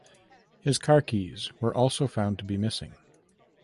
His car keys were also found to be missing.